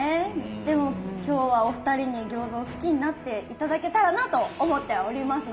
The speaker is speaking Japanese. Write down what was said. でも今日はお二人に餃子を好きになって頂けたらなと思っておりますので。